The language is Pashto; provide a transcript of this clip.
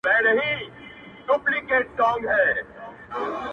ښه دی چي لونگ چي تور دی لمبې کوي_